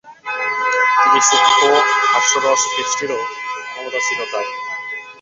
তিনি সূক্ষ্ম হাস্যরস সৃষ্টিরও ক্ষমতা ছিল তাঁর।